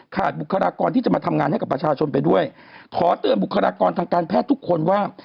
บุคลากรที่จะมาทำงานให้กับประชาชนไปด้วยขอเตือนบุคลากรทางการแพทย์ทุกคนว่า